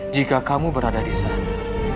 jika kamu berada disana